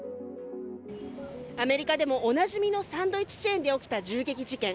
アメリカでもおなじみのサンドイッチチェーンで起きた銃撃事件。